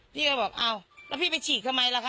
พี่ก็บอกอ้าวแล้วพี่ไปฉีดทำไมล่ะคะ